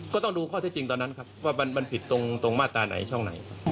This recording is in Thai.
ก็ต้องดูข้อที่จริงตอนนั้นครับว่ามันผิดตรงมาตราไหนช่องไหน